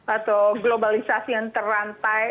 atau globalisasi yang terantai